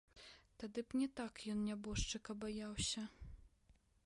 Тады б не так ён нябожчыка баяўся.